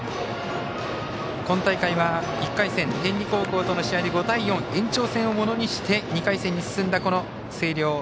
今大会は、１回戦天理高校との試合で５対４延長戦をものにして２回戦に進んだ、星稜。